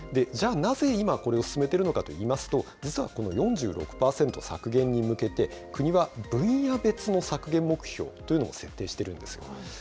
じゃあ、なぜ今、これを進めているのかといいますと、実はこの４６％削減に向けて、国は分野別の削減目標というのを設定してるんですよ。